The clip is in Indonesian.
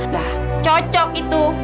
dah cocok itu